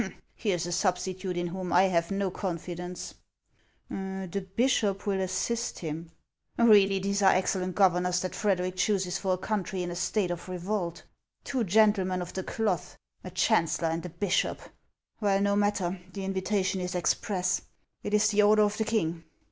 Here 's a substitute in whom 1 have no confidence !' The bishop will assist him — Keally, these are excellent governors that Fred eric chooses for a country in a state of revolt, — two gentle men of the cloth, a chancellor, and a bishop ! Well, no matter, the invitation is express ; it is the order of the king.